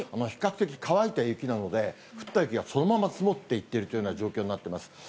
比較的、乾いた雪なので、降った雪がそのまま積もっていってるというような状況になっています。